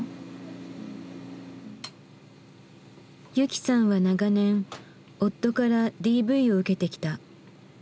雪さんは長年夫からＤＶを受けてきた。